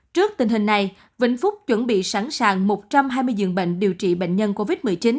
trước tình hình này vĩnh phúc chuẩn bị sẵn sàng một trăm hai mươi dường bệnh điều trị bệnh nhân covid một mươi chín